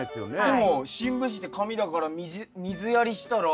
でも新聞紙って紙だから水やりしたら。